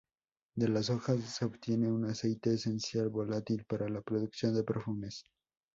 De las hojas se obtiene un aceite esencial volátil para la producción de perfumes.